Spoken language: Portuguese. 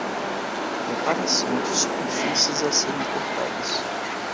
Preparação de superfícies a serem cortadas.